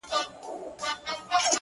برايي نيمه شپه كي!!